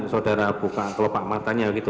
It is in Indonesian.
saudara buka kelopak matanya gitu